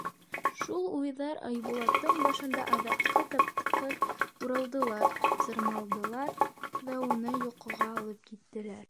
Шул уйҙар Айбулаттың башында аҙаҡҡы тапҡыр уралдылар, сырмалдылар ҙа уны йоҡоға алып киттеләр.